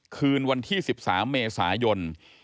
คืนวันที่๑๓เมษายน